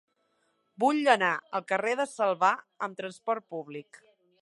Vull anar al carrer de Salvà amb trasport públic.